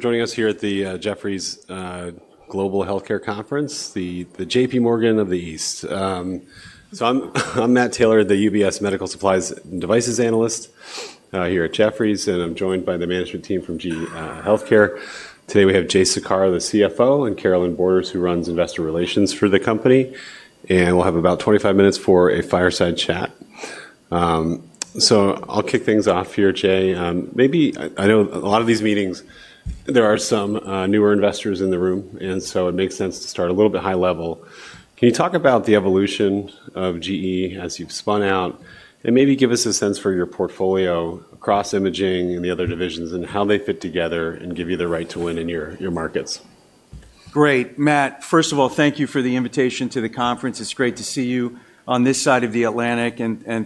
Joining us here at the Jefferies Global HealthCare Conference, the JPMorgan of the East. I'm Matt Taylor, the UBS Medical Supplies and Devices Analyst here at Jefferies, and I'm joined by the management team from GE HealthCare. Today we have Jay Saccaro, the CFO, and Carolynne Borders, who runs investor relations for the company. We'll have about 25 minutes for a fireside chat. I'll kick things off here, Jay. Maybe I know a lot of these meetings, there are some newer investors in the room, and it makes sense to start a little bit high level. Can you talk about the evolution of GE as you've spun out, and maybe give us a sense for your portfolio across imaging and the other divisions and how they fit together and give you the right to win in your markets? Great. Matt, first of all, thank you for the invitation to the conference. It is great to see you on this side of the Atlantic.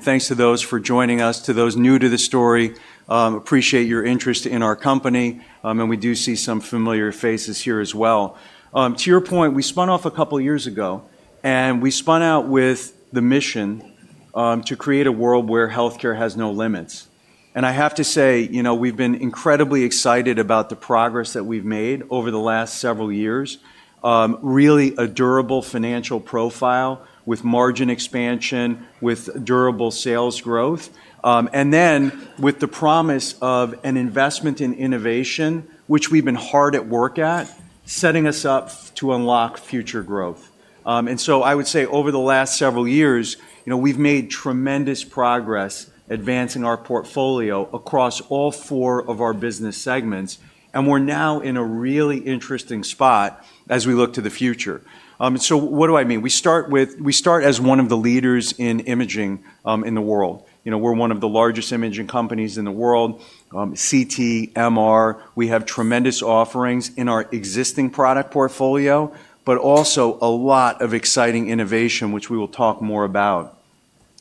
Thanks to those for joining us, to those new to the story. Appreciate your interest in our company. We do see some familiar faces here as well. To your point, we spun off a couple of years ago, and we spun out with the mission to create a world where healthcare has no limits. I have to say, you know, we have been incredibly excited about the progress that we have made over the last several years. Really a durable financial profile with margin expansion, with durable sales growth, and then with the promise of an investment in innovation, which we have been hard at work at, setting us up to unlock future growth. I would say over the last several years, you know, we've made tremendous progress advancing our portfolio across all four of our business segments. We're now in a really interesting spot as we look to the future. What do I mean? We start as one of the leaders in imaging in the world. You know, we're one of the largest imaging companies in the world, CT, MR. We have tremendous offerings in our existing product portfolio, but also a lot of exciting innovation, which we will talk more about.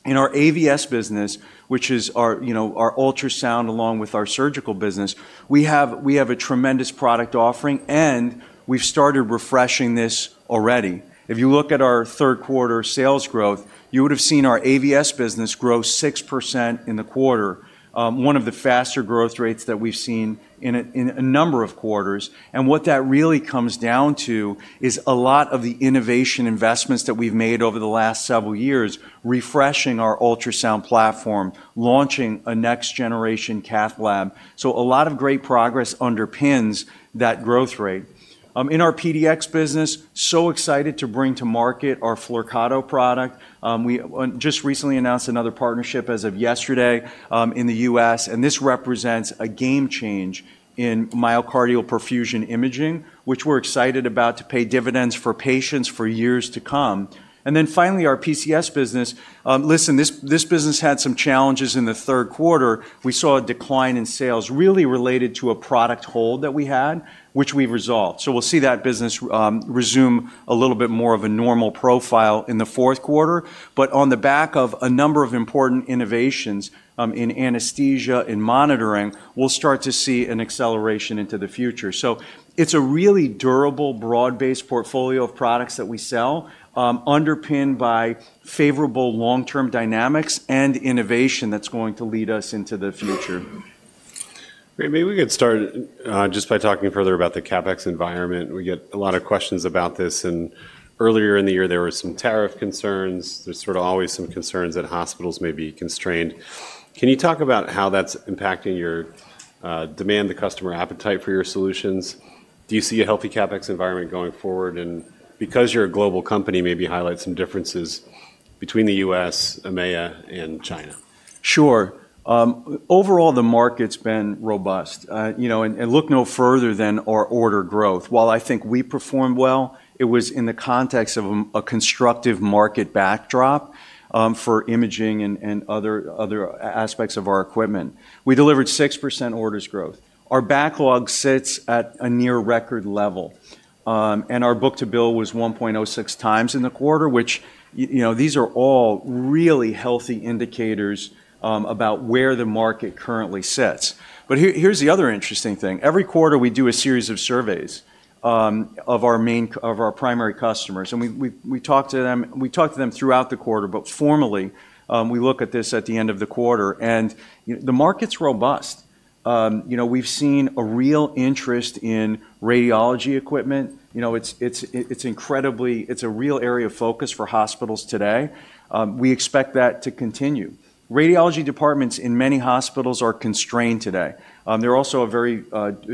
In our AVS business, which is our ultrasound along with our surgical business, we have a tremendous product offering, and we've started refreshing this already. If you look at our third quarter sales growth, you would have seen our AVS business grow six percent in the quarter, one of the faster growth rates that we've seen in a number of quarters. What that really comes down to is a lot of the innovation investments that we've made over the last several years, refreshing our ultrasound platform, launching a next-generation cath lab. A lot of great progress underpins that growth rate. In our PDx business, so excited to bring to market our Flyrcado product. We just recently announced another partnership as of yesterday in the U.S., and this represents a game change in myocardial perfusion imaging, which we're excited about to pay dividends for patients for years to come. Finally, our PCS business. Listen, this business had some challenges in the third quarter. We saw a decline in sales, really related to a product hold that we had, which we've resolved. We'll see that business resume a little bit more of a normal profile in the fourth quarter. On the back of a number of important innovations in anesthesia and monitoring, we'll start to see an acceleration into the future. It's a really durable, broad-based portfolio of products that we sell, underpinned by favorable long-term dynamics and innovation that's going to lead us into the future. Great. Maybe we could start just by talking further about the CapEx environment. We get a lot of questions about this. Earlier in the year, there were some tariff concerns. There is sort of always some concerns that hospitals may be constrained. Can you talk about how that is impacting your demand, the customer appetite for your solutions? Do you see a healthy CapEx environment going forward? Because you are a global company, maybe highlight some differences between the U.S., EMEA, and China. Sure. Overall, the market's been robust. You know, and look no further than our order growth. While I think we performed well, it was in the context of a constructive market backdrop for imaging and other aspects of our equipment. We delivered six percent orders growth. Our backlog sits at a near record level. Our book to bill was 1.06x in the quarter, which, you know, these are all really healthy indicators about where the market currently sits. Here's the other interesting thing. Every quarter, we do a series of surveys of our primary customers. We talk to them throughout the quarter, but formally, we look at this at the end of the quarter. The market's robust. You know, we've seen a real interest in radiology equipment. You know, it's incredibly, it's a real area of focus for hospitals today. We expect that to continue. Radiology departments in many hospitals are constrained today. They're also a very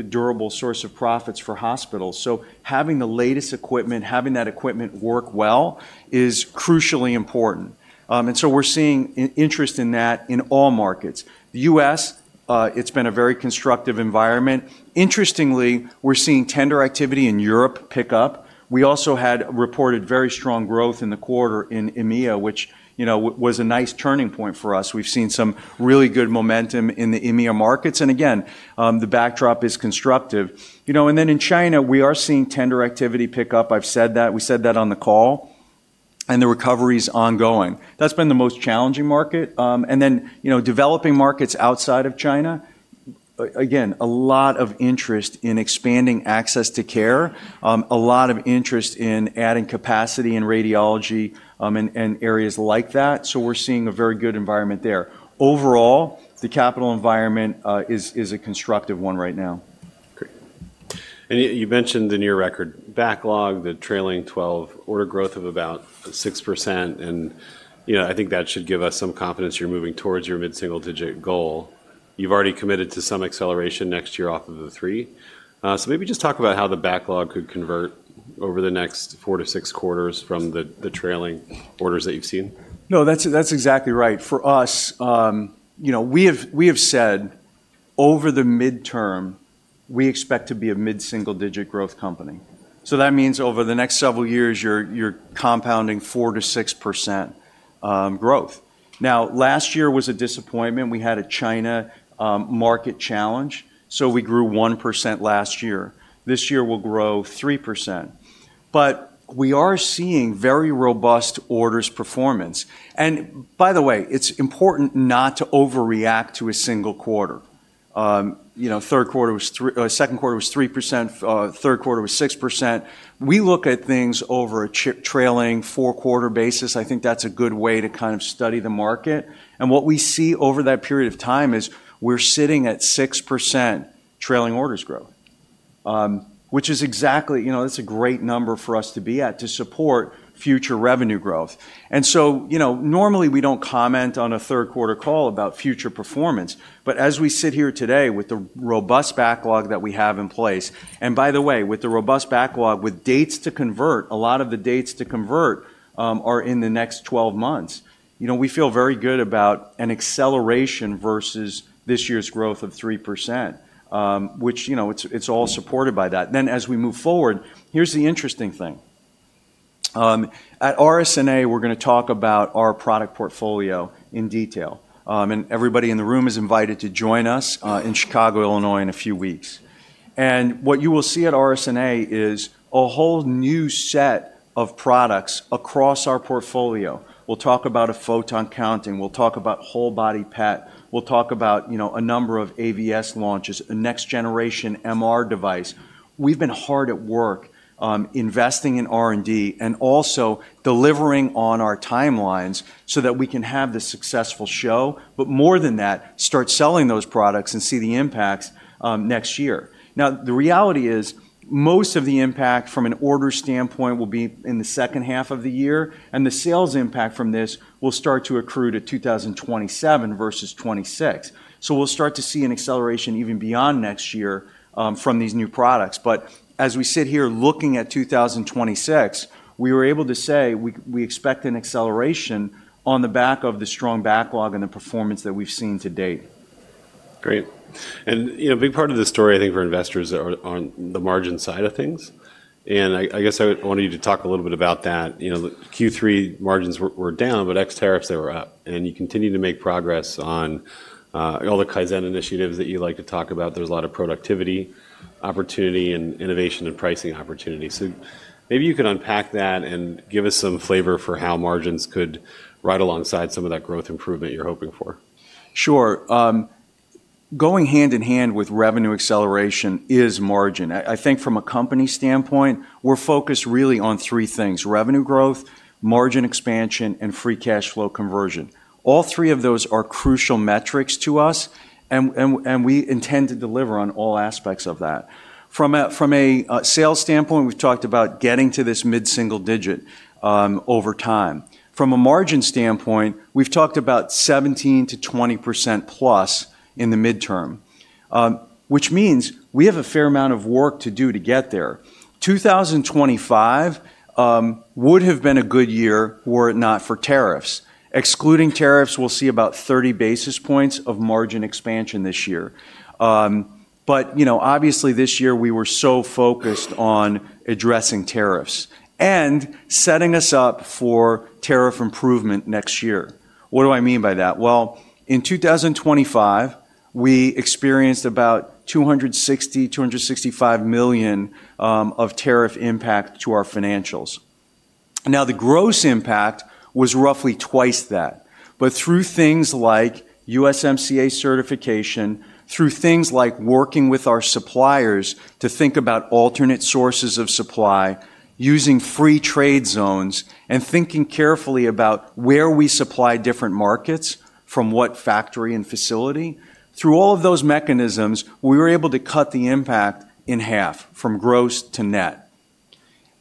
durable source of profits for hospitals. Having the latest equipment, having that equipment work well is crucially important. We are seeing interest in that in all markets. The U.S., it's been a very constructive environment. Interestingly, we're seeing tender activity in Europe pick up. We also had reported very strong growth in the quarter in EMEA, which, you know, was a nice turning point for us. We've seen some really good momentum in the EMEA markets. Again, the backdrop is constructive. You know, and then in China, we are seeing tender activity pick up. I've said that. We said that on the call. The recovery's ongoing. That's been the most challenging market. You know, developing markets outside of China, again, a lot of interest in expanding access to care, a lot of interest in adding capacity in radiology and areas like that. We are seeing a very good environment there. Overall, the capital environment is a constructive one right now. Great. You mentioned the near record backlog, the trailing 12 order growth of about six percent. You know, I think that should give us some confidence you're moving towards your mid-single digit goal. You've already committed to some acceleration next year off of the three. Maybe just talk about how the backlog could convert over the next four to six quarters from the trailing orders that you've seen. No, that's exactly right. For us, you know, we have said over the midterm, we expect to be a mid-single digit growth company. So that means over the next several years, you're compounding four to six percent growth. Now, last year was a disappointment. We had a China market challenge. So we grew one percent last year. This year we'll grow three percent. We are seeing very robust orders performance. By the way, it's important not to overreact to a single quarter. You know, third quarter was, second quarter was three percent, third quarter was six percent. We look at things over a trailing four-quarter basis. I think that's a good way to kind of study the market. What we see over that period of time is we're sitting at six percent trailing orders growth, which is exactly, you know, that's a great number for us to be at to support future revenue growth. You know, normally we don't comment on a third quarter call about future performance. As we sit here today with the robust backlog that we have in place, and by the way, with the robust backlog with dates to convert, a lot of the dates to convert are in the next 12 months. You know, we feel very good about an acceleration versus this year's growth of three percent, which, you know, it's all supported by that. As we move forward, here's the interesting thing. At RSNA, we're going to talk about our product portfolio in detail. Everybody in the room is invited to join us in Chicago, Illinois, in a few weeks. What you will see at RSNA is a whole new set of products across our portfolio. We'll talk about photon counting. We'll talk about whole body PET. We'll talk about, you know, a number of AVS launches, a next-generation MR device. We've been hard at work investing in R&D and also delivering on our timelines so that we can have the successful show, but more than that, start selling those products and see the impacts next year. Now, the reality is most of the impact from an order standpoint will be in the second half of the year. The sales impact from this will start to accrue to 2027 versus 2026. We'll start to see an acceleration even beyond next year from these new products. As we sit here looking at 2026, we were able to say we expect an acceleration on the back of the strong backlog and the performance that we've seen to date. Great. You know, a big part of the story, I think, for investors on the margin side of things. I guess I wanted you to talk a little bit about that. You know, Q3 margins were down, but ex tariffs, they were up. You continue to make progress on all the Kaizen initiatives that you like to talk about. There is a lot of productivity opportunity and innovation and pricing opportunity. Maybe you could unpack that and give us some flavor for how margins could ride alongside some of that growth improvement you are hoping for. Sure. Going hand in hand with revenue acceleration is margin. I think from a company standpoint, we're focused really on three things: revenue growth, margin expansion, and free cash flow conversion. All three of those are crucial metrics to us, and we intend to deliver on all aspects of that. From a sales standpoint, we've talked about getting to this mid-single digit over time. From a margin standpoint, we've talked about 17%-20%+ in the midterm, which means we have a fair amount of work to do to get there. 2025 would have been a good year were it not for tariffs. Excluding tariffs, we'll see about 30 basis points of margin expansion this year. You know, obviously this year we were so focused on addressing tariffs and setting us up for tariff improvement next year. What do I mean by that? In 2025, we experienced about $260 million-$265 million of tariff impact to our financials. The gross impact was roughly twice that. Through things like USMCA certification, working with our suppliers to think about alternate sources of supply, using free trade zones, and thinking carefully about where we supply different markets from what factory and facility, through all of those mechanisms, we were able to cut the impact in half from gross to net.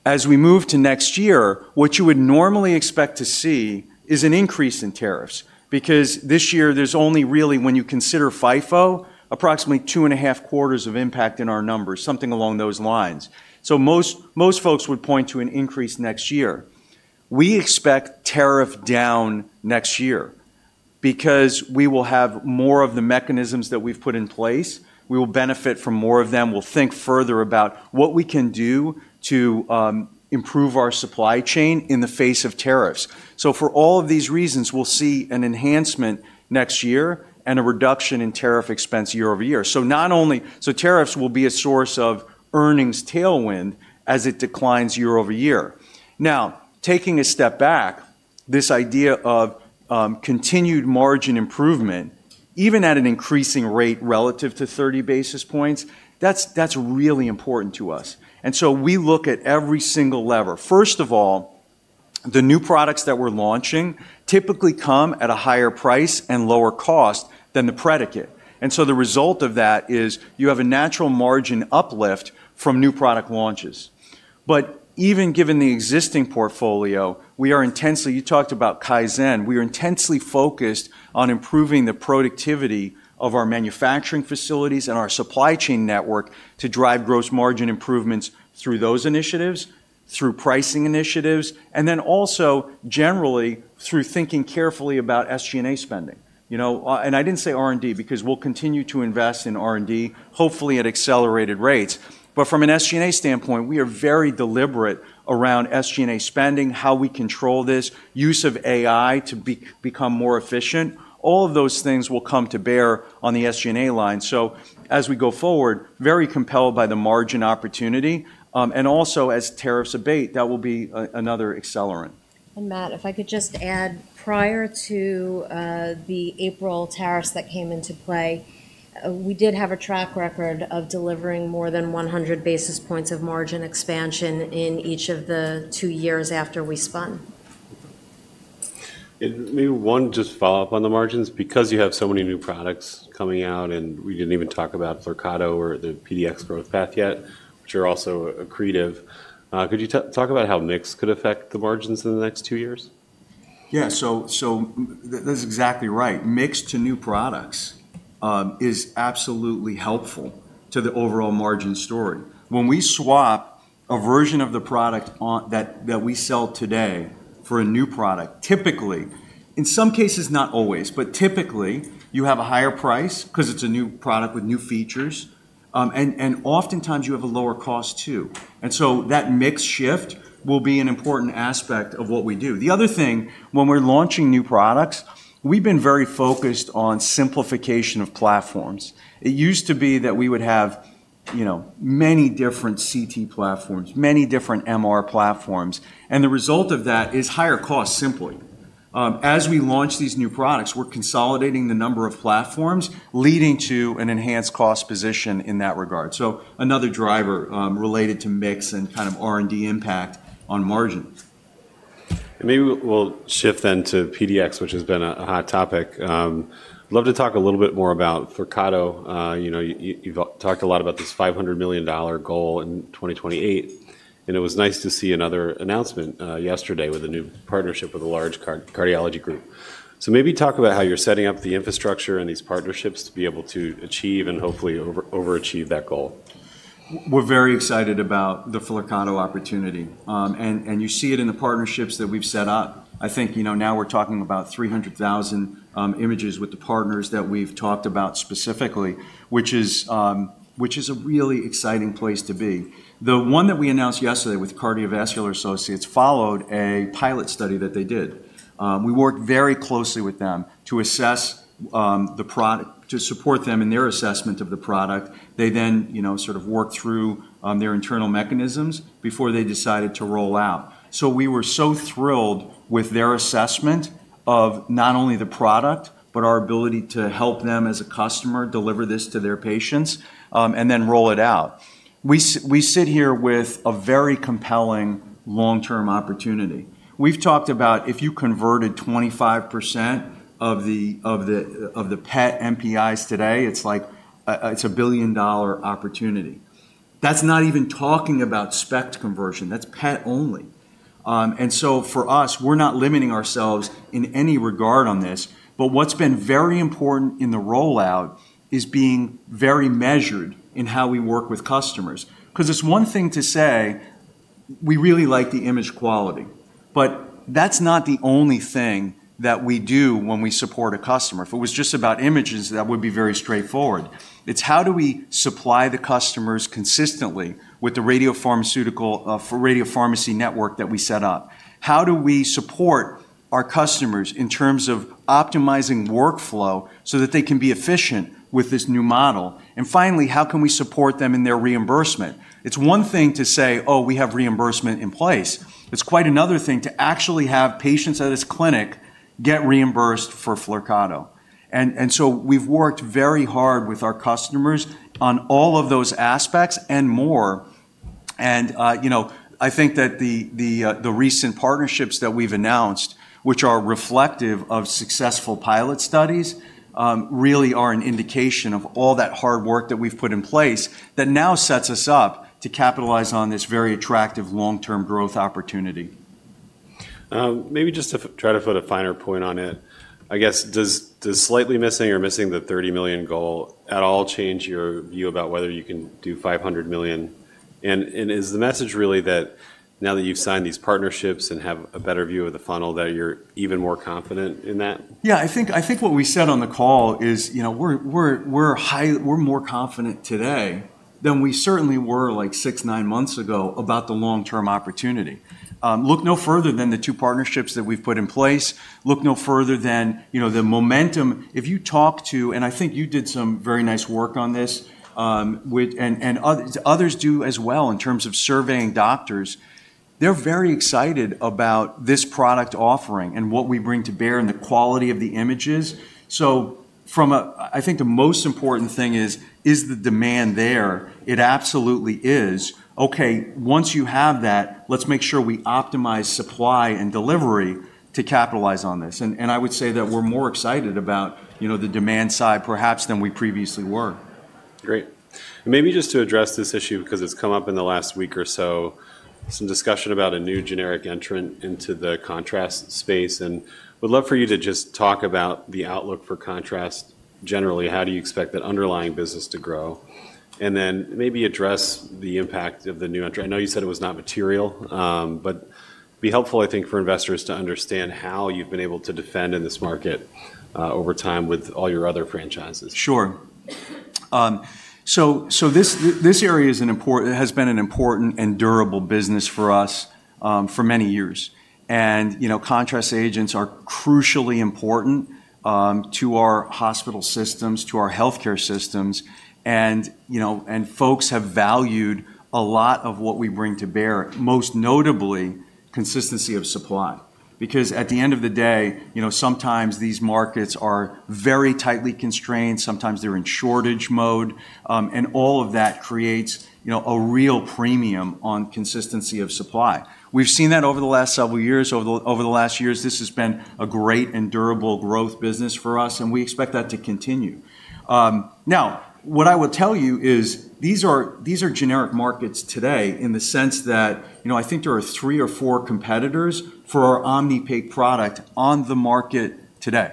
As we move to next year, what you would normally expect to see is an increase in tariffs because this year there is only really, when you consider FIFO, approximately two and a half quarters of impact in our numbers, something along those lines. Most folks would point to an increase next year. We expect tariff down next year because we will have more of the mechanisms that we've put in place. We will benefit from more of them. We'll think further about what we can do to improve our supply chain in the face of tariffs. For all of these reasons, we'll see an enhancement next year and a reduction in tariff expense year-over-year. Not only, tariffs will be a source of earnings tailwind as it declines year over year. Now, taking a step back, this idea of continued margin improvement, even at an increasing rate relative to 30 basis points, that's really important to us. We look at every single lever. First of all, the new products that we're launching typically come at a higher price and lower cost than the predicate. The result of that is you have a natural margin uplift from new product launches. Even given the existing portfolio, we are intensely, you talked about Kaizen, we are intensely focused on improving the productivity of our manufacturing facilities and our supply chain network to drive gross margin improvements through those initiatives, through pricing initiatives, and then also generally through thinking carefully about SG&A spending. You know, and I did not say R&D because we will continue to invest in R&D, hopefully at accelerated rates. From an SG&A standpoint, we are very deliberate around SG&A spending, how we control this, use of AI to become more efficient. All of those things will come to bear on the SG&A line. As we go forward, very compelled by the margin opportunity. Also as tariffs abate, that will be another accelerant. Matt, if I could just add, prior to the April tariffs that came into play, we did have a track record of delivering more than 100 basis points of margin expansion in each of the two years after we spun. Maybe one just follow-up on the margins. Because you have so many new products coming out and we did not even talk about Flyrcado or the PDx growth path yet, which are also accretive. Could you talk about how mix could affect the margins in the next two years? Yeah, so that's exactly right. Mix to new products is absolutely helpful to the overall margin story. When we swap a version of the product that we sell today for a new product, typically, in some cases, not always, but typically you have a higher price because it's a new product with new features. And oftentimes you have a lower cost too. That mix shift will be an important aspect of what we do. The other thing, when we're launching new products, we've been very focused on simplification of platforms. It used to be that we would have, you know, many different CT platforms, many different MR platforms. The result of that is higher cost simply. As we launch these new products, we're consolidating the number of platforms, leading to an enhanced cost position in that regard. Another driver related to mix and kind of R&D impact on margin. Maybe we'll shift then to PDx, which has been a hot topic. I'd love to talk a little bit more about Flyrcado. You know, you've talked a lot about this $500 million goal in 2028. It was nice to see another announcement yesterday with a new partnership with a large cardiology group. Maybe talk about how you're setting up the infrastructure and these partnerships to be able to achieve and hopefully overachieve that goal. We're very excited about the Flyrcado opportunity. You see it in the partnerships that we've set up. I think, you know, now we're talking about 300,000 images with the partners that we've talked about specifically, which is a really exciting place to be. The one that we announced yesterday with Cardiovascular Associates followed a pilot study that they did. We worked very closely with them to assess the product, to support them in their assessment of the product. They then, you know, sort of worked through their internal mechanisms before they decided to roll out. We were so thrilled with their assessment of not only the product, but our ability to help them as a customer deliver this to their patients and then roll it out. We sit here with a very compelling long-term opportunity. We've talked about if you converted 25% of the PET MPIs today, it's like it's a billion-dollar opportunity. That's not even talking about spec conversion. That's PET only. For us, we're not limiting ourselves in any regard on this. What's been very important in the rollout is being very measured in how we work with customers. Because it's one thing to say we really like the image quality, but that's not the only thing that we do when we support a customer. If it was just about images, that would be very straightforward. It's how do we supply the customers consistently with the radiopharmaceutical, radiopharmacy network that we set up? How do we support our customers in terms of optimizing workflow so that they can be efficient with this new model? Finally, how can we support them in their reimbursement? It's one thing to say, "Oh, we have reimbursement in place." It's quite another thing to actually have patients at this clinic get reimbursed for Flyrcado. You know, we've worked very hard with our customers on all of those aspects and more. You know, I think that the recent partnerships that we've announced, which are reflective of successful pilot studies, really are an indication of all that hard work that we've put in place that now sets us up to capitalize on this very attractive long-term growth opportunity. Maybe just to try to put a finer point on it, I guess, does slightly missing or missing the $30 million goal at all change your view about whether you can do $500 million? Is the message really that now that you've signed these partnerships and have a better view of the funnel, that you're even more confident in that? Yeah, I think what we said on the call is, you know, we're more confident today than we certainly were like six, nine months ago about the long-term opportunity. Look no further than the two partnerships that we've put in place. Look no further than, you know, the momentum. If you talk to, and I think you did some very nice work on this, and others do as well in terms of surveying doctors, they're very excited about this product offering and what we bring to bear and the quality of the images. From a, I think the most important thing is, is the demand there? It absolutely is. Okay, once you have that, let's make sure we optimize supply and delivery to capitalize on this. I would say that we're more excited about, you know, the demand side perhaps than we previously were. Great. Maybe just to address this issue because it's come up in the last week or so, some discussion about a new generic entrant into the contrast space. Would love for you to just talk about the outlook for contrast generally. How do you expect that underlying business to grow? Maybe address the impact of the new entrant. I know you said it was not material, but be helpful, I think, for investors to understand how you've been able to defend in this market over time with all your other franchises. Sure. This area has been an important and durable business for us for many years. You know, contrast agents are crucially important to our hospital systems, to our healthcare systems. You know, folks have valued a lot of what we bring to bear, most notably consistency of supply. Because at the end of the day, you know, sometimes these markets are very tightly constrained, sometimes they're in shortage mode. All of that creates, you know, a real premium on consistency of supply. We've seen that over the last several years, over the last years. This has been a great and durable growth business for us, and we expect that to continue. Now, what I will tell you is these are generic markets today in the sense that, you know, I think there are three or four competitors for our Omnipaque product on the market today.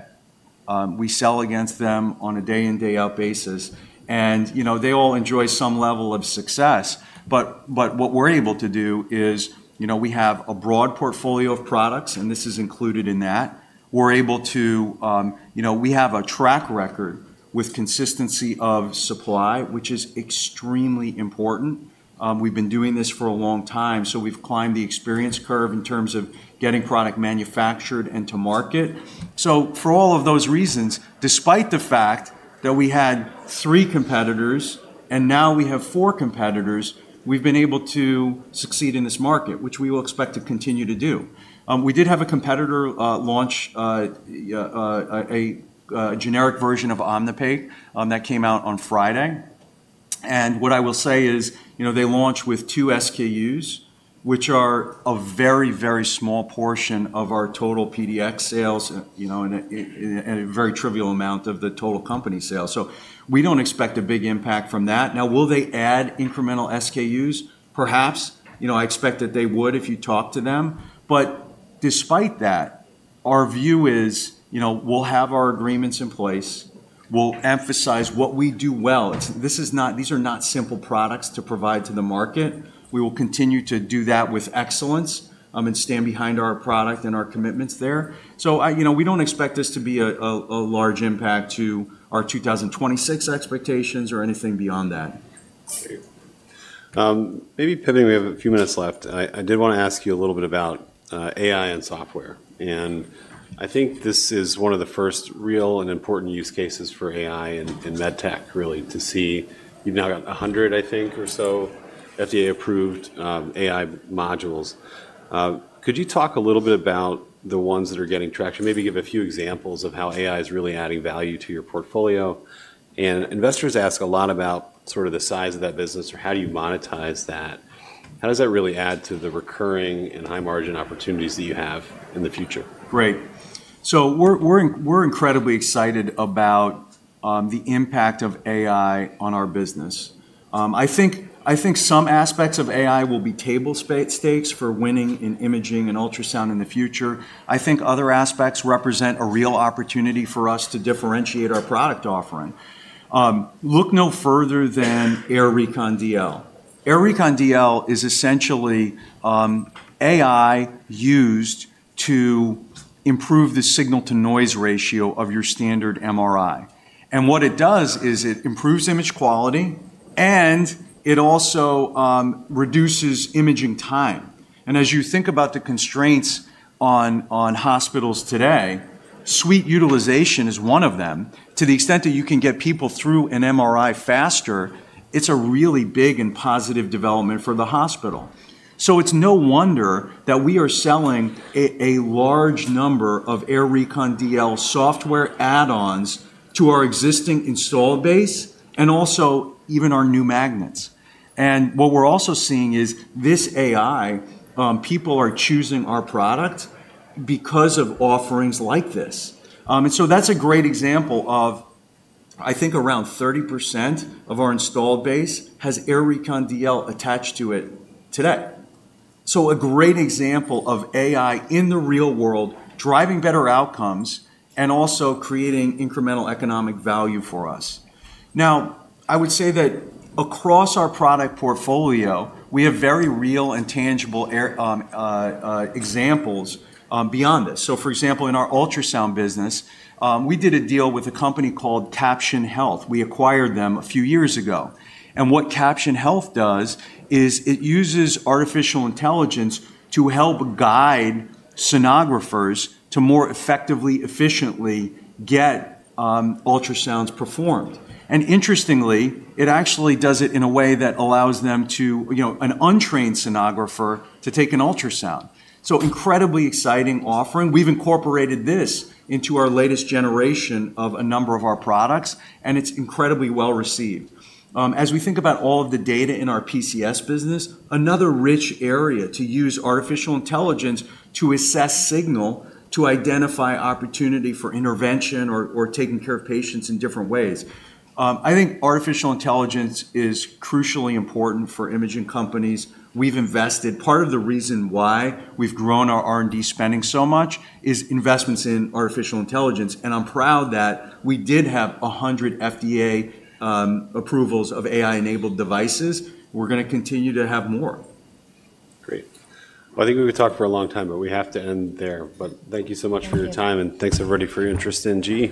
We sell against them on a day-in and day-out basis. You know, they all enjoy some level of success. What we're able to do is, you know, we have a broad portfolio of products, and this is included in that. We're able to, you know, we have a track record with consistency of supply, which is extremely important. We've been doing this for a long time. We have climbed the experience curve in terms of getting product manufactured and to market. For all of those reasons, despite the fact that we had three competitors and now we have four competitors, we've been able to succeed in this market, which we will expect to continue to do. We did have a competitor launch a generic version of Omnipaque that came out on Friday. What I will say is, you know, they launch with two SKUs, which are a very, very small portion of our total PDx sales, you know, and a very trivial amount of the total company sales. We do not expect a big impact from that. Now, will they add incremental SKUs? Perhaps. You know, I expect that they would if you talk to them. Despite that, our view is, you know, we will have our agreements in place. We will emphasize what we do well. This is not, these are not simple products to provide to the market. We will continue to do that with excellence and stand behind our product and our commitments there. You know, we do not expect this to be a large impact to our 2026 expectations or anything beyond that. Maybe pivoting, we have a few minutes left. I did want to ask you a little bit about AI and software. I think this is one of the first real and important use cases for AI in med tech, really, to see you've now got 100, I think, or so FDA-approved AI modules. Could you talk a little bit about the ones that are getting traction? Maybe give a few examples of how AI is really adding value to your portfolio. Investors ask a lot about sort of the size of that business or how do you monetize that? How does that really add to the recurring and high-margin opportunities that you have in the future? Great. We are incredibly excited about the impact of AI on our business. I think some aspects of AI will be table stakes for winning in imaging and ultrasound in the future. I think other aspects represent a real opportunity for us to differentiate our product offering. Look no further than AIR Recon DL. AIR Recon DL is essentially AI used to improve the signal-to-noise ratio of your standard MRI. What it does is it improves image quality and it also reduces imaging time. As you think about the constraints on hospitals today, suite utilization is one of them. To the extent that you can get people through an MRI faster, it is a really big and positive development for the hospital. It is no wonder that we are selling a large number of AIR Recon DL software add-ons to our existing installed base and also even our new magnets. What we're also seeing is this AI, people are choosing our product because of offerings like this. That's a great example of, I think around 30% of our installed base has AIR Recon DL attached to it today. A great example of AI in the real world driving better outcomes and also creating incremental economic value for us. I would say that across our product portfolio, we have very real and tangible examples beyond this. For example, in our ultrasound business, we did a deal with a company called Caption Health. We acquired them a few years ago. What Caption Health does is it uses artificial intelligence to help guide sonographers to more effectively, efficiently get ultrasounds performed. Interestingly, it actually does it in a way that allows them to, you know, an untrained sonographer to take an ultrasound. Incredibly exciting offering. We've incorporated this into our latest generation of a number of our products, and it's incredibly well received. As we think about all of the data in our PCS business, another rich area to use artificial intelligence to assess signal to identify opportunity for intervention or taking care of patients in different ways. I think artificial intelligence is crucially important for imaging companies. We've invested. Part of the reason why we've grown our R&D spending so much is investments in artificial intelligence. I'm proud that we did have 100 FDA approvals of AI-enabled devices. We're going to continue to have more. Great. I think we could talk for a long time, but we have to end there. Thank you so much for your time. And thanks, everybody, for your interest in GE HealthCare.